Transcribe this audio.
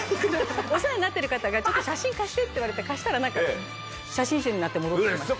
お世話になってる方が「ちょっと写真貸して」って言われて貸したら写真集になって戻って来ました。